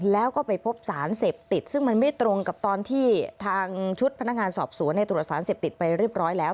แล้วก็ไปพบสารเสพติดซึ่งมันไม่ตรงกับตอนที่ทางชุดพนักงานสอบสวนตรวจสารเสพติดไปเรียบร้อยแล้ว